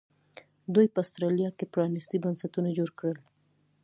دوی په اسټرالیا کې پرانیستي بنسټونه جوړ کړل.